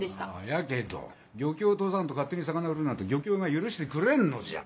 やけど漁協を通さんと勝手に魚売るなんて漁協が許してくれんのじゃ。